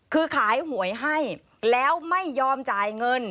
คือขายหวยให้แล้วไม่ยอมจ่ายเงิน